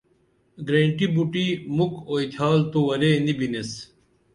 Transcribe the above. گرینٹی بُٹی مُکھ اُئتھال تو ورے نی بِنیس